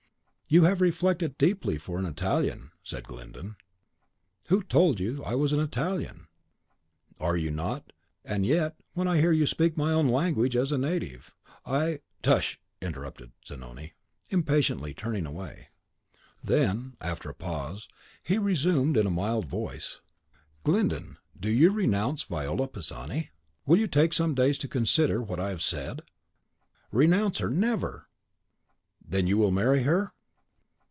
"You have reflected deeply for an Italian," said Glyndon. "Who told you that I was an Italian?" "Are you not? And yet, when I hear you speak my own language as a native, I " "Tush!" interrupted Zanoni, impatiently turning away. Then, after a pause, he resumed in a mild voice, "Glyndon, do you renounce Viola Pisani? Will you take some days to consider what I have said?" "Renounce her, never!" "Then you will marry her?"